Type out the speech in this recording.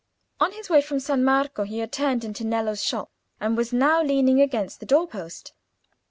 On his way from San Marco he had turned into Nello's shop, and was now leaning against the door post.